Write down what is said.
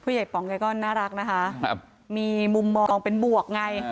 ใหญ่ป๋องแกก็น่ารักนะคะมีมุมมองเป็นบวกไง